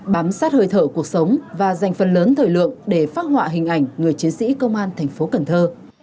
bám sát hơi thở cuộc sống và dành phần lớn thời lượng để phát họa hình ảnh người chiến sĩ công an thành phố cần thơ